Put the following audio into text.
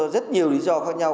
rất nhiều lý do khác nhau